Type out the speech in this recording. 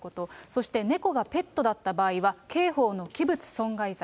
そして猫がペットだった場合は、刑法の器物損壊罪。